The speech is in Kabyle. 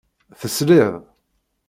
Tesliḍ.